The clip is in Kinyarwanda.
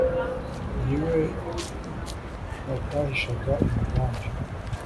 ni we batahishaga imigambi,